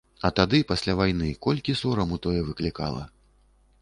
А тады, пасля вайны, колькі сораму тое выклікала.